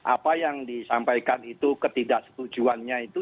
apa yang disampaikan itu ketidaksetujuannya itu